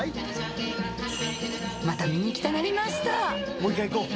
もう一回行こう。